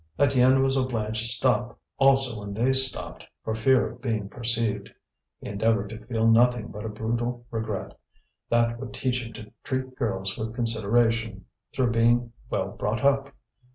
Étienne was obliged to stop also when they stopped, for fear of being perceived. He endeavoured to feel nothing but a brutal regret: that would teach him to treat girls with consideration through being well brought up!